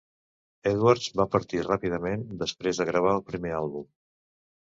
Edwards va partir ràpidament després de gravar el primer àlbum.